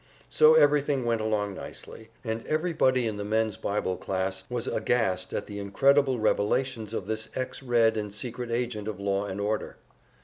So everything went along nicely, and everybody in the Men's Bible Class was aghast at the incredible revelations of this ex Red and secret agent of law and order.